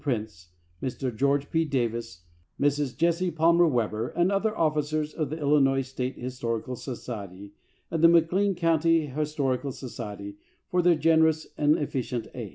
Prince, Mr. George P. Davis, Mrs. Jessie Palmer Weber, and other officers of the Illinois State Historical Society, and the McLean County Historical So ciety, for their generous and efficient aid.